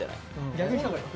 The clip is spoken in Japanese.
逆にした方がいい？